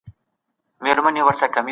شعوري ځوانان د ټولني لخوا تل هڅول کېږي.